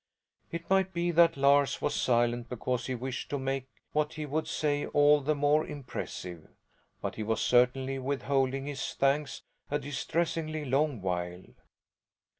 It might be that Lars was silent because he wished to make what he would say all the more impressive. But he was certainly withholding his thanks a distressingly long while.